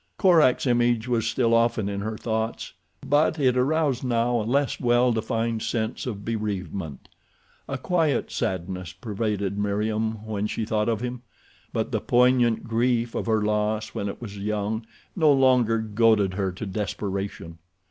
Korak's image was still often in her thoughts, but it aroused now a less well defined sense of bereavement. A quiet sadness pervaded Meriem when she thought of him; but the poignant grief of her loss when it was young no longer goaded her to desperation.